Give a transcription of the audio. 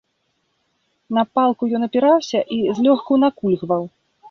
На палку ён апіраўся і злёгку накульгваў.